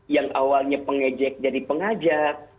yang awalnya pengejek jadi pengajak